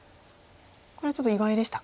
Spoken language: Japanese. これはちょっと意外でしたか。